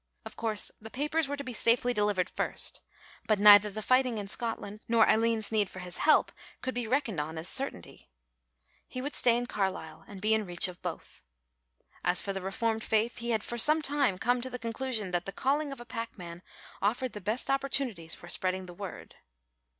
Of course the papers were to be safely delivered first, but neither the fighting in Scotland nor Aline's need for his help could be reckoned on as a certainty. He would stay in Carlisle and be in reach of both. As for the reformed faith he had for some time come to the conclusion that the calling of a packman offered the best opportunities for spreading the word.